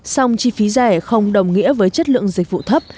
song chi phí rẻ không đồng nghĩa với chất lượng dịch vụ thấp